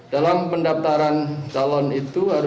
dalam pendaftaran calon itu